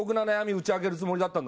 打ち明けるつもりだったんだぞ。